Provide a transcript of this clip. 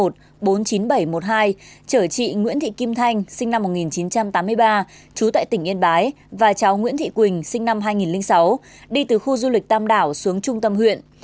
chở bốn chở chị nguyễn thị kim thanh sinh năm một nghìn chín trăm tám mươi ba trú tại tỉnh yên bái và cháu nguyễn thị quỳnh sinh năm hai nghìn sáu đi từ khu du lịch tam đảo xuống trung tâm huyện